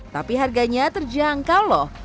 tapi harganya terjangkau loh